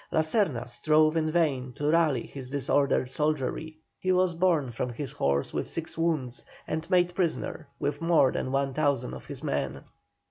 La Serna strove in vain to rally his disordered soldiery; he was borne from his horse with six wounds, and made prisoner, with more than 1,000 of his men.